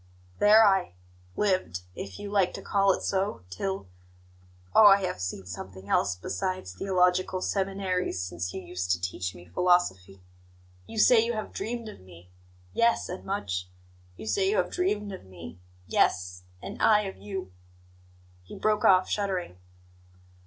"There I lived, if you like to call it so, till oh, I have seen something else besides theological seminaries since you used to teach me philosophy! You say you have dreamed of me yes, and much! You say you have dreamed of me yes, and I of you " He broke off, shuddering.